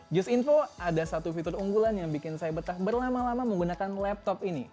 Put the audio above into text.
just info ada satu fitur unggulan yang bikin saya betah berlama lama menggunakan laptop ini